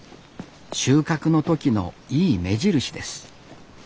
収穫の時のいい目印です